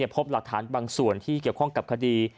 พบหลักฐานบางส่วนที่เกี่ยวข้องกับคดี